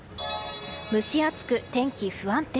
蒸し暑く天気不安定。